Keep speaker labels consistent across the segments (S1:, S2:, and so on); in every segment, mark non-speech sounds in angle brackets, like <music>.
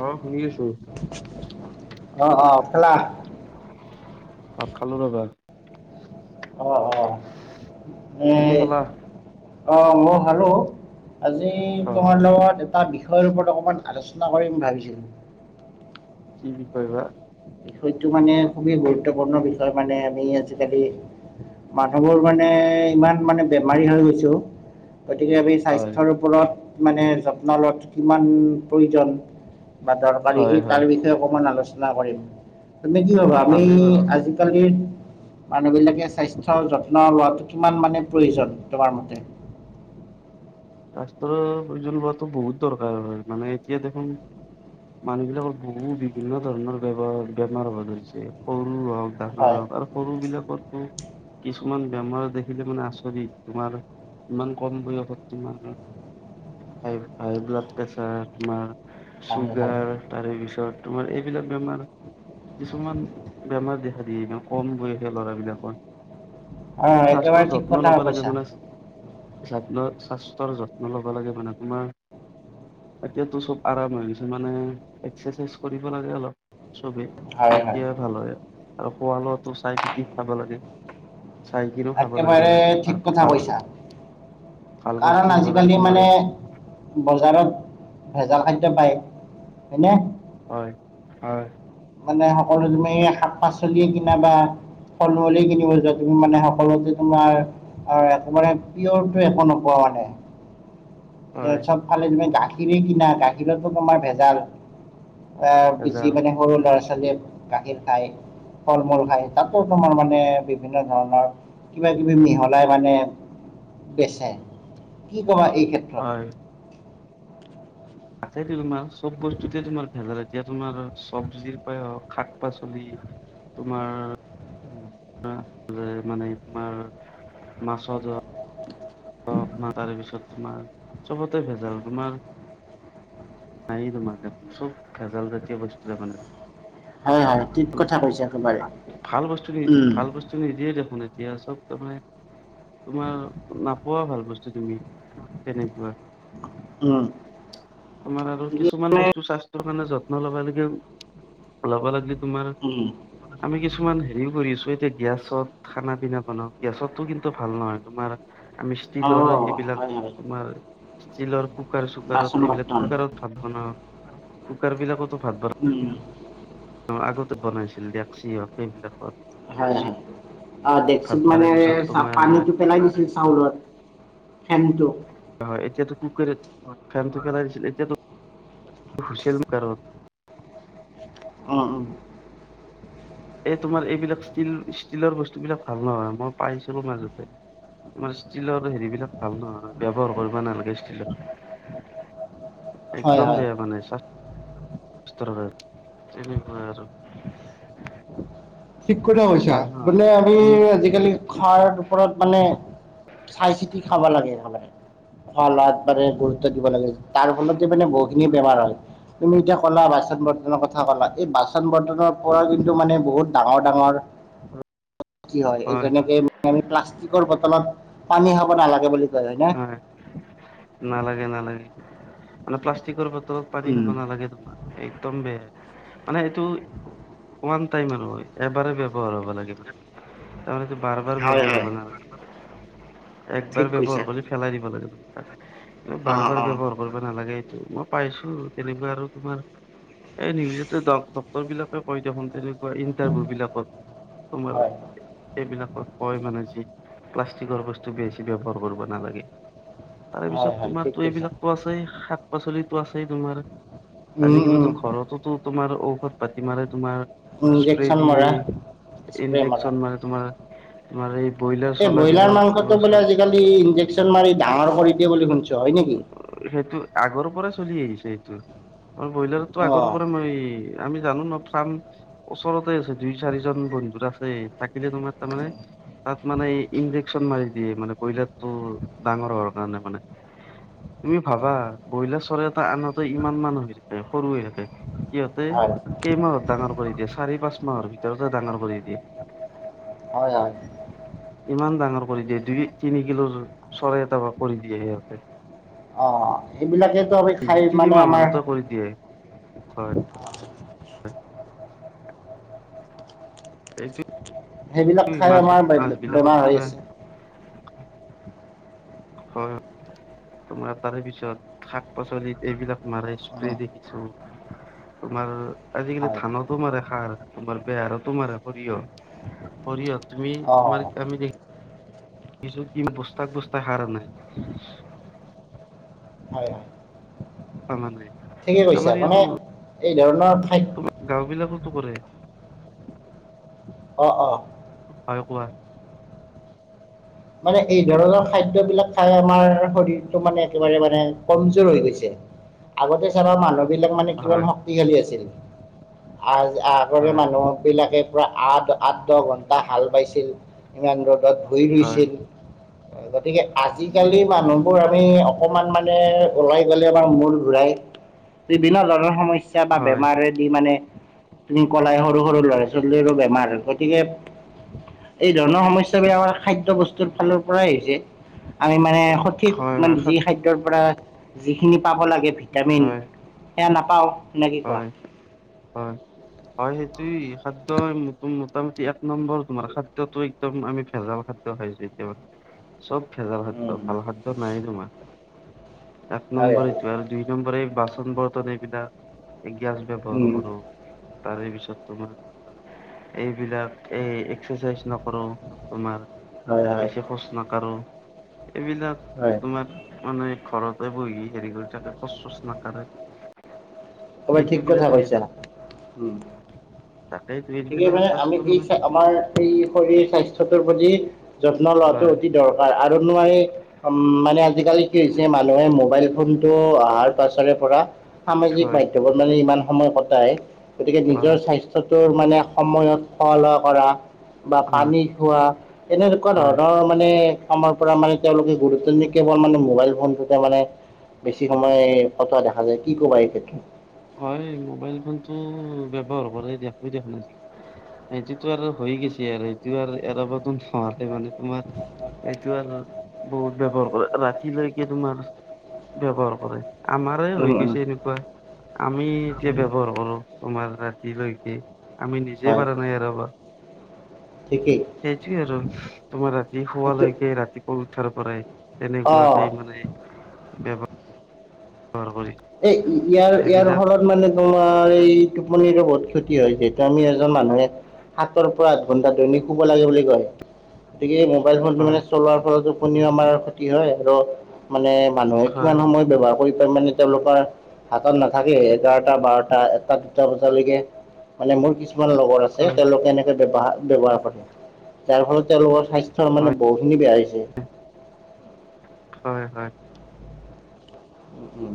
S1: অ শুনি আছো
S2: অ অ খালা
S1: ভাত খালো ৰবা
S2: অ অ
S1: তুমি
S2: এই
S1: খালা
S2: অ মই খালোঁ আজি
S1: অ
S2: তোমাৰ লগত এটা বিষয়ৰ ওপৰত অকমান আলোচনা কৰিম ভাবিছোঁ
S1: কি বিষয় বা
S2: হয়তো মানে খুবেই গুৰুত্বপূৰ্ণ বিষয় মানে আমি আজিকালি মানুহবোৰ মানে ইমান মানে বেমাৰী হৈ গৈছো গতিকে আমি
S1: হয়
S2: স্বাস্থ্যৰ ওপৰত মানে যত্ন লোৱাতো কিমান প্ৰয়োজন বা দৰকাৰী
S1: হয়
S2: সেই
S1: হয়
S2: তাৰ বিষয়ে অকমান আলোচনা কৰিম তুমি কি
S1: অ
S2: ভাবা আমি
S1: ভালেই বাৰু
S2: আজিকালিৰ মানুহ বিলাকে স্বাস্থ্যৰ যত্ন লোৱাটো কিমান মানে প্ৰয়োজন তোমাৰ মতে?
S1: স্বাস্থৰ প্ৰয়োজন লোৱাটো বহুত দৰকাৰ হয় মানে এতিয়া দেখোন মানুহ বিলাকৰ বহু বিভিন্ন ধৰণৰ বেব বেমাৰ হ'ব ধৰিছে সৰু হওক ডাঙৰ
S2: হয়
S1: হওক আৰু সৰু বিলাকৰটো কিছুমান বেমাৰ দেখিলে মানে আচৰিত তোমাৰ ইমান কম বয়সত তোমাৰ হাই হাই ব্লাড প্ৰেছাৰ, তোমাৰ
S2: হয়
S1: চুগাৰ তাৰে পিছত তোমাৰ এইবিলাক বেমাৰ কিছুমান বেমাৰ দেখা দিয়ে এনেও কম বয়সিয়াল ল'ৰাবিলাকৰ
S2: হয় একেবাৰে
S1: স্বাস্থৰ
S2: ঠিক
S1: যত্ন
S2: কথা
S1: ল'ব লাগে
S2: কৈছা
S1: মানে যত্নত স্বাস্থ্যৰ যত্ন ল'ব লাগে মানে তোমাৰ এতিয়াতো চব আৰাম হৈ গৈছে মানে এক্সাৰচাইজ কৰিব লাগে অলপ চবেই
S2: হয় হয়
S1: তেতিয়াই ভাল হয় আৰু খোৱা লোৱাটো চাই কি কি খাব লাগে চাইকিনও খাব লাগে
S2: একেবাৰে
S1: মানে
S2: ঠিক
S1: আৰ
S2: কথা
S1: ভাল
S2: কৈছা
S1: ভাল
S2: কাৰণ
S1: বস্তু খাব লাগে
S2: আজিকালি
S1: তোমাৰ
S2: মানে
S1: এই
S2: বজাৰত ভেজাল খাদ্য পায় হয়নে
S1: হয় হয়
S2: মানে সকলো তুমি শাক-পাচলিয়ে কিনা বা ফল-মুলে কিনিব যোৱা তুমি মানে সকলতে তোমাৰ হয় একেবাৰে পিয়ৰটো একো নোপোৱা মানে এ
S1: হয়
S2: চবফালে তুমি গাখীৰে কিনা গাখীৰতো তোমাৰ ভেজাল আহ
S1: ভেজাল
S2: কিছিমানে সৰু ল'ৰা-ছোৱালীয়ে গাখীৰ খাই ফল-মূল খায় তাতো তোমাৰ মানে বিভিন্ন ধৰণৰ কিবা কিবি মিহলাই মানে বেচে কি কবা এই ক্ষেত্ৰ
S1: হয় সেইটোৱে তোমাৰ চব বস্তুতে তোমাৰ ভেজাল এতিয়া তোমাৰ চব্জিৰ প্ৰায়হক শাক-পাচলি তোমাৰ তোমাৰ যে মানে তোমাৰ মাছৰ জ তাৰেপিছত তোমাৰ চবতে ভেজাল। তোমাৰ- নাইয়ে তোমাৰ চব ভেজাল জাতীয় বস্তুৱে মানে।
S2: হয় হয় ঠিক কথা কৈছে একেবাৰে
S1: তোমাৰ ভাল বস্তু দি,
S2: উম
S1: ভাল বস্তু- নিদিয়ে দেখোন। এতিয়া চব তাৰমানে তোমাৰ নাপ- ভাল বস্তু তুমি তেনেকুৱা।
S2: উম।
S1: তোমাৰ আৰু
S2: ঠিকে
S1: কিছুমান
S2: মানে
S1: বস্তু স্বাস্থ্যৰ কাৰণে যত্ন ল'বা লাগে। ল'ব লাগিলে তোমাৰ-
S2: উম।
S1: আমি কিছুমান হেৰিও কৰি আছো। এতিয়া গেছত- খানা পিনা বনাওঁ, গেছতো কিন্তু ভাল নহয়। তোমাৰ, আমি-
S2: অ
S1: ষ্টীলৰ হেৰিবিলাক
S2: হয় হয়
S1: তোমাৰ- ষ্টীলৰ কুকাৰ
S2: বাচন
S1: -চুকাৰত এইবিলাক
S2: বৰ্তন
S1: কুকাৰত ভাত বনাওঁ, কুকাৰ বিলাকতো ভাত বনাওঁ।
S2: উম।
S1: অঁ, আগতে বনাইছিল ডেক্সি হওঁক সেইবিলাকত।
S2: হয়, অঁ
S1: জুইত ভাত
S2: ডেক্সিত
S1: বাৰে
S2: মানে
S1: পিছত তোমাৰ
S2: পানীটো পেলাই দিছিল চাউলৰ- ফেনটো।
S1: হয়, এতিয়াতো কুকাৰত ফেনটো পেলাই দিছিল। এতিয়াটো হুচেইল কুকাৰ হ'ল।
S2: উম, উম।
S1: এই তোমাৰ এইবিলাক ষ্টীল ষ্টীলৰ বস্তু বিলাক ভাল নহয়, মই পাইছিলো মাজতে। তোমাৰ ষ্টিলৰ হেৰিবিলাক ভাল নহয়, ব্যৱহাৰ কৰিব নালাগে ষ্টীলৰ।
S2: হয়
S1: একদম
S2: হয়
S1: বেয়া মানে - স্বাস্থ্য হয় তেনেকুৱা আৰু।
S2: ঠিক কথা কৈছা,
S1: ভাল নহয়
S2: বোলে আমি
S1: তুমি
S2: আজিকালি খোৱাৰ ওপৰত- মানে চাই- চিতি খাব লাগে সদায়, খোৱা লোৱাত মানে গুৰুত্ব দিব লাগে। তাৰ ফলতে মানে বহুত- খিনি বেমাৰ হয়। তুমি এতিয়া ক'লা বাচন- বৰ্তনৰ কথা ক'লা, এই বাচন বৰ্তনৰ পৰা যদি- টো মানে বহুত ডাঙৰ হয় কি হয়? যেনেকে- আমি প্লাষ্টিকৰ বটলত পানী খাব নালাগে বুলি কয়, হয় নে?
S1: নালাগে, নালাগে। মানে প্লাষ্টিকৰ বটলত পানী
S2: উম
S1: খাব নালাগে তোমাৰ- একদম বেয়া। মানে এইটো- ওৱান টাইম আৰু এবাৰে ব্যৱহাৰ হ'ব লাগে। তাৰমানেটো বাৰ বাৰ
S2: হয়
S1: ব্যৱহাৰ
S2: হয়
S1: হ'ব নেলাগে, একবাৰ
S2: ঠিক কৈছা
S1: ব্যৱহাৰ- পেলাই দিব লাগে।
S2: অ
S1: বাৰ বাৰ
S2: অ
S1: বৱহাৰ কৰিব নালাগে, এইটো মই পাইছোঁ। উম, তেনেকুৱা আৰু তোমাৰ এই নিউজতো ডক্তৰ বিলাকে কয় দেখোন তেনে- ইণ্টাৰভিউ বিলাকত। তোমাৰ-
S2: হয়
S1: সেইবিলাকত কয় মানে যে প্লাষ্টিকৰ বস্তু বেছি ব্যৱহাৰ কৰিব নালাগে। তাৰে
S2: হয়
S1: পিছত
S2: হয় ঠিক
S1: তোমাৰতো
S2: কৈছা
S1: এইবিলাকটো আছেই, শাক-পাচলিটো আছেই তোমাৰ।
S2: উম উম
S1: আজিকালিতো ঘৰটোতো তোমাৰ ঔষধ পাতি মানে তোমাৰ- স্প্ৰে
S2: ইনজেকচন মৰা
S1: দিয়ে,
S2: স্প্ৰে মৰা
S1: ইনজেকচন মাৰে। তোমাৰ- তোমাৰ এই ব্ৰয়লাৰ
S2: এই
S1: চলা
S2: ব্ৰইলাৰ মাংসটো বোলে
S1: বিলাকক-
S2: আজিকালি ইনজেকশ্যন মাৰি ডাঙৰ কৰি দিয়ে বুলি শুনিছোঁ। হয় নেকি?
S1: অঁ, সেইটো আগৰ পৰা চলি আহিছে সেইটো। অঁ, ব্ৰয়লাৰকটো
S2: অ
S1: আগৰ পৰাই সেই - আমি জানো ন চাম ওচৰতে আছে দুই, চাৰিজন বন্ধু আছেই। থাকিলে তোমাৰ তাৰমানে তাত- মানে ইনডেকচন মাৰি দিয়ে মানে ব্ৰইলাৰটো ডাঙৰ হোৱাৰ কাৰণে মানে। তুমি ভাবা ব্ৰইলাৰ চৰাই এটা আনোতে ইমান মান হৈ থাকে সৰু হৈ থাকে। সিহঁতে
S2: হয়
S1: কেইমাহত ডাঙৰ কৰি দিয়ে চাৰি পাঁচ মাহৰ ভিতৰতে ডাঙৰ কৰি দিয়ে।
S2: হয় হয়।
S1: ইমান ডাঙৰ কৰি দিয়ে দুই তিনি কিলোৰ চৰাই এটা কৰি দিয়ে সিহঁতে।
S2: অ', সেই বিলাকে ত আমি খাই মানে
S1: তিনিমাহ
S2: আমাৰ
S1: মানতে কৰি দিয়ে। হয় <unintelligible> এইটো
S2: সেইবিলাক খাই
S1: মাছ
S2: আমাৰ
S1: মাছবিলাকত
S2: বেমাৰ হৈ
S1: কিবা
S2: আছে
S1: হয় তোমাৰ তাৰে পিছত শাক পাচলি এইবিলাক মাৰে স্প্ৰে
S2: উম
S1: দেখিছো তোমাৰ আজিকালি
S2: হয়
S1: ধানৰ তোমাৰ সাৰ তোমাৰ বেয়া আৰু তোমাৰ সৰিয়হ সৰিয়হত তুমি
S2: অ
S1: তোমাৰ আমি দেখ দেখিছো কি বস্তাই বস্তাৰ সাৰ আনে।
S2: হয়
S1: অনা নাই
S2: ঠিকে কৈছা
S1: আমাৰ
S2: মানে
S1: ইয়াতো
S2: এই ধৰণৰ খাদ্
S1: তোমাৰ গাঁও বিলাকতো কৰে।
S2: অঁ'-অ',
S1: হয় কোৱা।
S2: মানে এই ধৰণৰ খাদ্যবিলাক খাই আমাৰ শৰীৰটো মানে একেবাৰে মানে কমযোৰ হৈ গৈছে। আগতে চাবা মানুহ বিলাক মানে কিমান
S1: হয়
S2: শক্তিশালী আছিল আজ আ ৰে
S1: হয়
S2: মানুহ বিলাকে প্ৰায় আঠ আঠ দহ ঘন্টা হাল বাইছিল। ইমান ৰ'দত ভূই
S1: হয়
S2: ৰুইছিল। গতিকে আজিকালি মানুহবোৰ আমি অকমান মানে ওলাই গলে আমাৰ মূৰ ঘূৰাই বিভিন্ন ধৰণৰ সমস্যা বা
S1: হয়
S2: বেমাৰে দি মানে তুমি কলাই সৰু- সৰু ল'ৰা ছোৱালীৰো বেমাৰ হয় গতিকে এই ধৰণৰ সমস্যা বিলাকৰ খাদ্য বস্ ফালৰ পৰাই হৈছে আমি মানে সঠিক
S1: হয়
S2: মানে
S1: হয়
S2: যি
S1: সাত
S2: খাদ্ দ্যৰ পৰা যিখিনি পাব লাগে ভিটামিন সেয়া নাপাওঁ নে কি কোৱা?
S1: হয়-হয়। হয় সেইটোে খাদ্য মোটামুটি এক নম্বৰ তোমাৰ খাদ্যটোয়ে একদম আমি ভেজাল খাদ্য খাইছো এতিয়া চব ভেজাল খাদ্য
S2: উম,
S1: ভাল খাদ্য নাইয়েই তোমাৰ এক
S2: হয়
S1: নম্বৰ
S2: হয়
S1: এইটো আৰু দুই নম্বৰী এই বাচন বৰ্তন এই বিলা এই গেছ ব্যৱহাৰ
S2: উম,
S1: কৰো। তাৰেই পিছত তোমাৰ এইবিলাক এই এক্সাৰচাইজ নকৰো তোমাৰ।
S2: হয় হয়
S1: বেছি খোজ নাকাৰো এইবিলাক
S2: হয়।
S1: তোমাৰ মানুহে ঘৰতে বহি হেৰি কৰি থাকে খোজ চোজ নাকাৰে
S2: একেবাৰে ঠিক কথা কৈছা উম
S1: তাকেইটো
S2: গতিকে
S1: এইবিলাক
S2: মই আমি
S1: স্বাস্থ্য
S2: কি
S1: মানে
S2: চা আমাৰ এই শৰীৰ স্বাস্থ্যটোৰ প্ৰতি যত্ন লোৱাটো
S1: হয়
S2: অতি দৰকাৰ আৰু নোৱাৰি উম মানে আজিকালি কি হৈছে মানুহে মোবাইল ফোন ত আহাৰ পাছৰে পৰা সামাজিক
S1: হয়
S2: মাধ্যমত মানে ইমান সময় কটায়। গতিকে
S1: হয়
S2: নিজৰ স্বাস্থ্যটোৰ মানে সময়ত খোৱা-লোৱা কৰা বা
S1: হয়
S2: পানী খোৱা এনেকুৱা
S1: হয়
S2: ধৰণৰ মানে কামৰ পৰা মানে তেওঁলোকে গুৰুত্ব নিদে কেৱল মোবাইল ফোনটোতে মানে বেছি সময় কটোৱা দেখা যায়। কি কবা এই ক্ষেত্ৰত।
S1: হয় মোবাইল ফোনটো ব্যৱহাৰ কৰে দিয়া <unintelligible> সেইটোতো আৰু হৈয়ে গেছে আৰু এতিয়া আৰু এৰাবতো নোৱাৰে মানে। তোমাৰ এইটো আৰু বহুত ব্যৱহাৰ কৰে ৰাতিলৈকে তোমাৰ ব্যৱহাৰ কৰে। আমাৰে
S2: উম
S1: হৈ
S2: উম
S1: গেছে এনেকুৱা আমি এতিয়া ব্যৱহাৰ কৰো তোমাৰ ৰাতিলৈকে। আমি নিজে
S2: হয়
S1: পাৰা নাই এৰাবা
S2: ঠিকেই
S1: সেইটোয়ে আৰু তোমাৰ ৰাতি
S2: এইটো
S1: শুৱালৈকে ৰাতিপোৱা উঠাৰ পৰাই। তেনেকুৱাকে
S2: অ
S1: মানে ব্যৱহাৰ হয়
S2: এ ইয়াৰ ইয়াৰ ফলত মানে তোমাৰ এই টোপনিৰো বহুত ক্ষতি হয় যিহেতু আমি এজন মানুহে সাতৰ পৰা আঠ ঘণ্টা দৈনিক শুব লাগে বুলি কয়। গতিকে এই মোবাইল ফোনটো মানে
S1: হয়
S2: চলোৱাৰ পৰা টোপনিও আমাৰ ক্ষতি হয় আৰু মানে মানুহে কিমান
S1: হয়
S2: সময় ব্যৱহাৰ কৰি পায় মানে তেওঁলোকৰ হাতত নাথাকেই এঘাৰটা, বাৰটা, এটা, দুটা বজালৈকে মানে মোৰ কিছুমান লগৰ আছে
S1: হয়
S2: তেওঁলোকে এনেকে ব্যৱহাৰ ব্যৱহাৰ কৰে যাৰ ফলত তেওঁলোকৰ স্বাস্থ্যৰ মানে
S1: হয়
S2: বহুখিনি বেয়া হৈছে।
S1: হয় হয়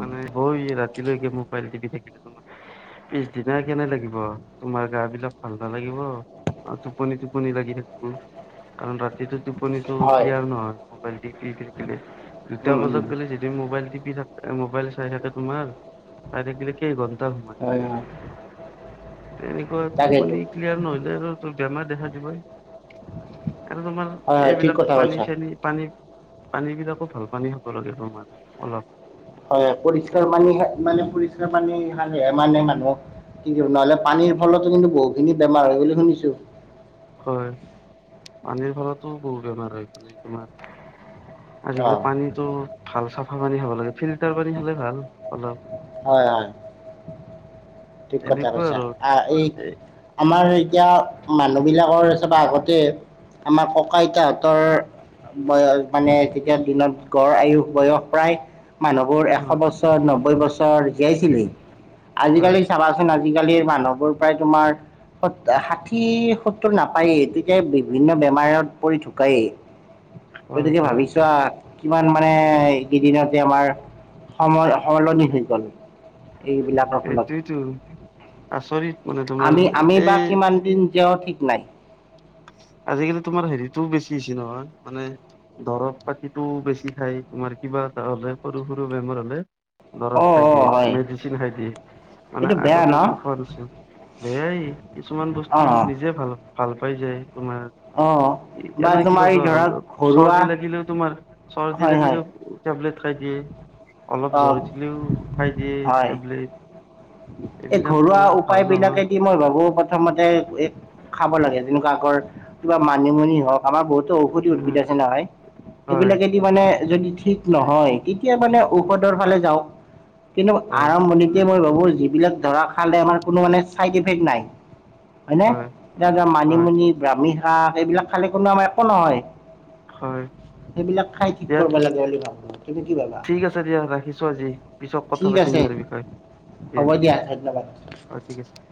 S1: মানে হয় ৰাতিলৈকে মোবাইল টিপি থাকিলে তোমাৰ পিছদিনা কেনে লাগিব তোমাৰ গা বিলাক ভাল নালাগিব। অ টোপনি টোপনি লাগি থাকিব কাৰণ ৰাতিটো টোপনিটো
S2: হয়
S1: ক্লিয়াৰ নহয় মোবাইল টিপি থাকিলে দুটা
S2: উম উম
S1: বজাত গ'লে যদি মোবাইল টিপি থাক এ মোবাইল চাই থাকে তোমাৰ চাই থাকিলে কেইঘন্টা সময়
S2: হয় হয়
S1: তেনেকৈ
S2: তাকেইতো
S1: টোপনি ক্লিয়াৰ নহলে আৰু তোৰ বেমাৰ দেখা দিবই। কাৰণ তোমাৰ
S2: হয় হয় ঠিক
S1: এইবিলাক
S2: কথা
S1: পানী
S2: কৈছা
S1: চানী পানী পানীবিলাকো ভাল পানী খাব লাগে তোমাৰ অলপ
S2: হয়, পৰিষ্কাৰ পানী হে মানে পৰিষ্কাৰ পানী খালেহে মানে মানুহৰ কিন্তু নহলে পানীৰ ফলতো কিন্তু বহুতখিনি বেমাৰ হয় বুলি শুনিছো।
S1: হয়, পানীৰ ফলতো বহুত বেমাৰ হয় মানে তোমাৰ
S2: অ
S1: আজিকালি পানীটো ভাল চাফা পানী খাব লাগে ফিল্টাৰ পানী খালে ভাল অলপ।
S2: হয় হয় ঠিক কথা
S1: এনেকুৱা
S2: কৈছা,
S1: আৰু
S2: আ এই
S1: এ
S2: আমাৰ এতিয়া মানুহবিলাকৰ চাবা আগতে আমাৰ ককা-আইতাহঁতৰ বয়স মানে তেতিয়া দিনত গড় আয়ুস বয়স প্ৰায় মানুহ বোৰ এশ
S1: হয়
S2: বছৰ, নব্বৈ বছৰ জীয়াইছিলেই আজিকালি
S1: হয়
S2: চাবাচোন আজিকালিৰ মানুহবোৰ প্ৰায় তোমাৰ সত ষাঠি সত্তৰ নাপায়েই তেতিয়া বিভিন্ন বেমাৰত পৰি ঢুকাইয়ে।
S1: হয়
S2: গতিকে
S1: হয়
S2: ভাবিছোৱা কিমান মানে এই কেইদিনতে আমাৰ সময় সলনি হৈ গ'ল এইবিলাকৰ ফলত।
S1: উম, আচৰিত মানে তোমাৰ এই
S2: টিনকেউ ঠিক নাই।
S1: আজিকালি তোমাৰ হেৰিটোও বেছি হৈছে নহয় মানে দৰৱ পাতিটো বেছি খাই তোমাৰ কিবা এটা হ'লে সৰু সৰু বেমাৰ হ'লে
S2: অঁ
S1: দৰপ খাই
S2: অঁ
S1: দিয়ে,
S2: হয়
S1: মেডিচিন খাই দিয়ে মানে
S2: এইটো বেয়া ন
S1: আগতেতো খোৱা নাছিলোঁ। সেই কিছুমান বস্তু
S2: অঁ
S1: নিজে ভাল ভাল পাই যায়, তোমাৰ
S2: অঁ
S1: এতিয়া
S2: বা
S1: নহয় কিবা
S2: তোমাৰ এই
S1: জ্বৰ
S2: ধৰা
S1: হ'লেও,
S2: ঘৰুৱা
S1: চৰ্দি লাগিলেও তোমাৰ, চৰ্দি
S2: হয় হয়
S1: লাগিলেও টেবলেট খাই দিয়ে, অলপ জ্বৰ
S2: অঁ
S1: উঠিলেও খাই দিয়ে টেবলেট।
S2: এ
S1: এইবিলাক
S2: ঘৰুৱা
S1: তোমাৰ ভাল
S2: উপায়
S1: নহয়
S2: বিলাকে দি মই ভাবোঁ প্ৰথমতে এই খাব লাগে। যেনেকুৱা আগৰ কিবা মানিমুনি হওক, আমাৰ বহুত তো ঔষধি উদ্ভিদ
S1: উম
S2: আছে নহয়।
S1: হয়
S2: সেইবিলাকেদি মানে যদি ঠিক নহয়, তেতিয়া মানে ঔষধৰ ফালে যাওঁক। কিন্তু
S1: হয়
S2: আৰম্ভণিত তে মই ভাবোঁ, যিবিলাক ধৰা খালে আমাৰ কোনো মানে ছাইড ইফেক্ট নাই হয় নে, এতিয়া ধৰা
S1: হয়
S2: মানিমুনি, ব্ৰাহ্মিশাক এইবিলাক খালে কোনো আমাৰ একো নহয়।
S1: হয়
S2: সেইবিলাক খাই ঠিক কৰবা লাগে বুলি ভাবোঁ। তুমি কি ভাবা?
S1: আচ্ছা দিয়া, ৰাখিছোঁ আজি পিছত কথা
S2: ঠিক
S1: পাতিম
S2: আছে
S1: ইয়াৰ বিষয় দিয়া।
S2: হ'ব দিয়া ধন্যবাদ।
S1: অহ ঠিক আছে।